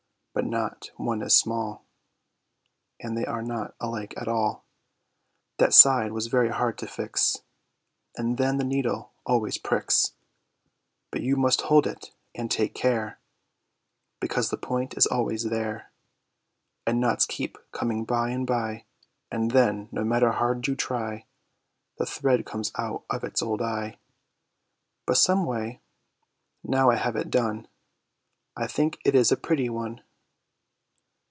But not one is small, And they are not alike at all. That side was very hard to fix. And then, the needle always pricks: But you must hold it, and take care, Because the point is always there; And knots keep coming by and by; And then, no matter how you try, The thread comes out of its old eye! But some way, now I have it done, I think it is a Pretty One.